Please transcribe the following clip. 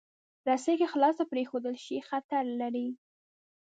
رسۍ که خلاصه پرېښودل شي، خطر لري.